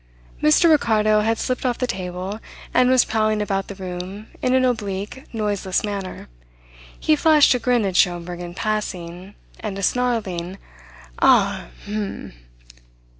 Mr Ricardo had slipped off the table, and was prowling about the room in an oblique, noiseless manner. He flashed a grin at Schomberg in passing, and a snarling: "Ah! H'm!"